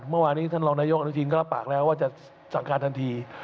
เมื่อวานนี้ท่านรองนายกอนุทินก็รับปากแล้วว่าจะสั่งการทันที